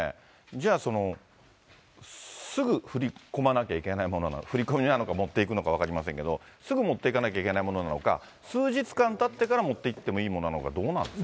じゃあ、すぐ振り込まなきゃいけないもの、振り込みなのか、持っていくのか、分かりませんけど、すぐ持っていかなきゃいけないものなのか、数日間たってから持っていっていいものなのか、どうなんですか？